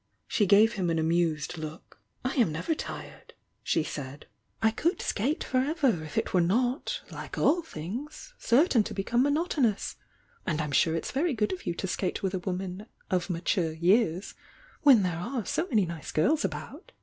She gave him an amused look. "I am never tired," she said. "I could skate for ever, if it were not, like all things, certain to become monotonous. And I'm sure it's very good of you to skate wi& a woman 'of mature years' when there are so many nice girls about."